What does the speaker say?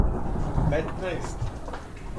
петнаест